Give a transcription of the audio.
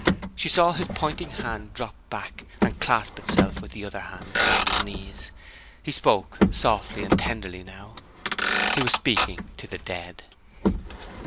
She saw his pointing hand drop back, and clasp itself with the other hand, round his knees. He spoke softly and tenderly now he was speaking to the dead.